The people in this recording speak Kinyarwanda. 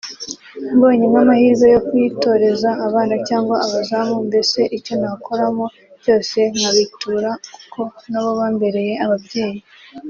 Mbonye nk’amahirwe yo kuyitoreza abana cyangwa abazamu mbese icyo nakoramo cyose nkabitura kuko nabo bambereye ababyeyi